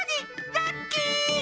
ラッキー！